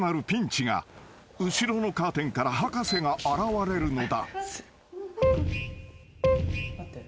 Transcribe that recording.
［後ろのカーテンから博士が現れるのだ］